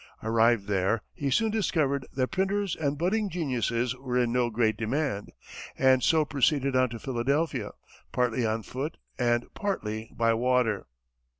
Arrived there, he soon discovered that printers and budding geniuses were in no great demand, and so proceeded on to Philadelphia, partly on foot and partly by water.